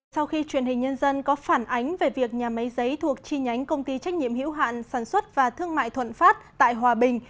sau khi truyền hình nhân dân có phản ánh về việc nhà máy giấy thuộc chi nhánh công ty trách nhiệm hữu hạn sản xuất và thương mại thuận phát tại hòa bình